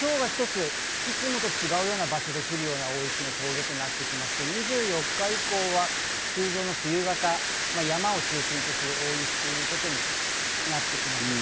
そのあと大体今日が一ついつもと違う場所で降るような大雪の峠となってきまして、２４日以降は通常の冬型、山を中心とする大雪ということになってきます。